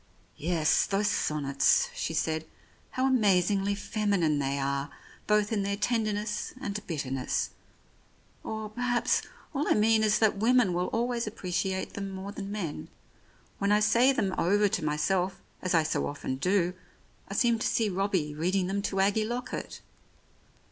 " Yes, those sonnets," she said. " How amazingly feminine they are, both in their tenderness and bitter ness. Or, perhaps, all I mean is that women will always appreciate them more than men. When I say them over to myself, as I so often do, I seem to see Robbie reading them to Aggie Lockett.